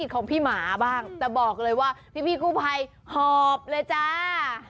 ของพี่หมาบ้างแต่บอกเลยว่าพี่กู้ภัยหอบเลยจ้า